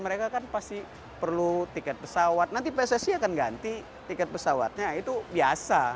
mereka kan pasti perlu tiket pesawat nanti pssi akan ganti tiket pesawatnya itu biasa